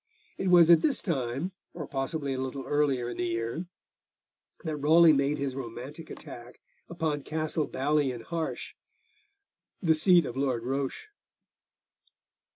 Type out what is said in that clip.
It was at this time, or possibly a little earlier in the year, that Raleigh made his romantic attack upon Castle Bally in Harsh, the seat of Lord Roche.